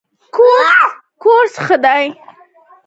کورس ښه دی.